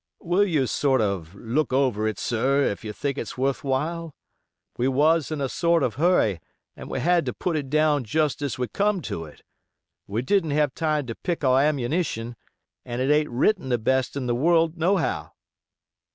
"Will you sort of look over it, sir, if you think it's worth while? We was in a sort of hurry and we had to put it down just as we come to it; we didn't have time to pick our ammunition; and it ain't written the best in the world, nohow."